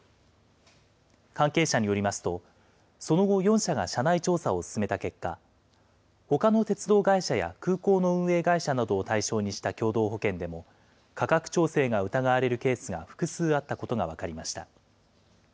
関係者によりますと、その後、４社が社内調査を進めた結果、ほかの鉄道会社や空港の運営会社などを対象にした共同保険でも、価格調整が疑われるケースが複数あったことが分かりました。